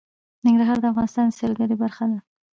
ننګرهار د افغانستان د سیلګرۍ برخه ده.